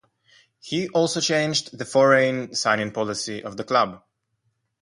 He also changed the foreign signing policy of the club.